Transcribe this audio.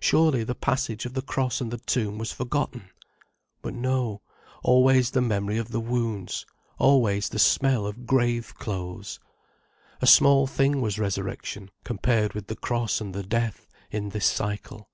Surely the passage of the cross and the tomb was forgotten? But no—always the memory of the wounds, always the smell of grave clothes? A small thing was Resurrection, compared with the Cross and the death, in this cycle.